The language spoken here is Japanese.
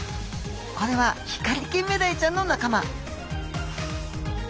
これはヒカリキンメダイちゃんの仲間。